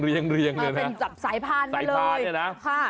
มันเป็นสายพารนี่ละ